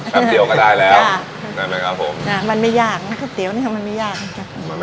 ทำเตี๋ยวก็ได้แล้วใช่ไหมครับผมอ่ามันไม่ยากน้ำก๋วยเตี๋ยวเนี้ยมันไม่ยากนะครับผม